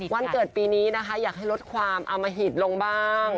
วันเกิดปีนี้นะคะอยากให้ลดความอมหิตลงบ้าง